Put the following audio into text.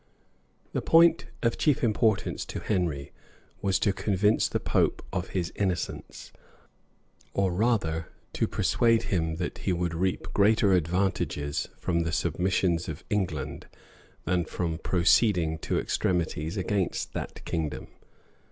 {1171.} The point of chief importance to Henry was to convince the pope of his innocence; or rather, to persuade him that he would reap greater advantages from the submissions of England than from proceeding to extremities against that kingdom.